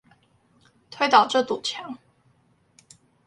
推倒這堵牆！